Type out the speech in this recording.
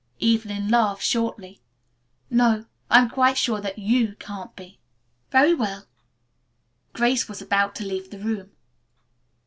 _" Evelyn laughed shortly. "No; I am quite sure that you can't be." "Very well." Grace was about to leave the room.